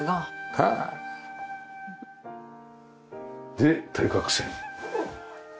で対角線。